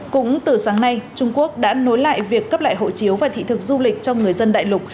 cũng từ sáng nay trung quốc đã nối lại việc cấp lại hộ chiếu và thị thực du lịch cho người dân đại lục